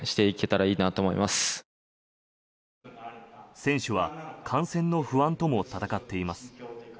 選手は感染の不安とも闘っています。